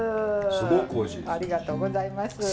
ありがとうございます。